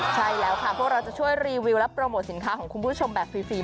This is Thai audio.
ใช่แล้วค่ะพวกเราจะช่วยรีวิวและโปรโมทสินค้าของคุณผู้ชมแบบฟรี